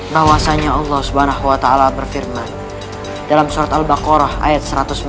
bahwasanya allah swt berfirman dalam surat al baqarah ayat satu ratus sembilan puluh satu